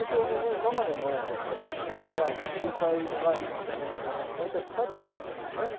今までの例えば救いの概念救済の概念っていったら大体２つだったんですよね。